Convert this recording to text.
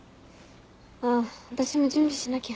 あぁ私も準備しなきゃ。